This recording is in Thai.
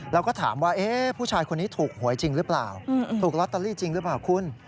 แล้วก็ถามว่าผู้ชายคนนี้ถูกหวยจริงหรือเปล่าถูกลอตเตอรี่จริงหรือเปล่าคุณ